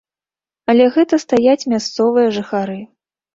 Але гэта стаяць мясцовыя жыхары.